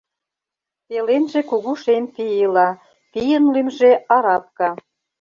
Пеленже кугу шем пий ила, пийын лӱмжӧ Арапка.